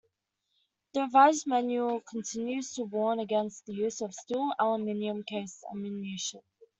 The revised manual continues to warn against the use of steel- or aluminum-cased ammunition.